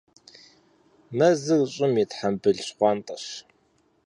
Мэзыр щӀым и «тхьэмбыл щхъуантӀэщ».